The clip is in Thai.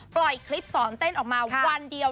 ปล่อยคลิปสอนเต้นออกมาวันเดียว